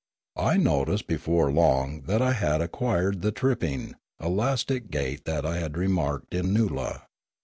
I noticed before long that I had acquired the tripping, elastic gait that I had remarked in Noola.